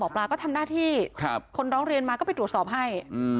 ปลาก็ทำหน้าที่คนร้องเรียนมาก็ไปตรวจสอบให้